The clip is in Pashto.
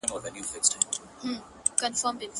ګرځېدلی وو پر ونو او پر ژر ګو٫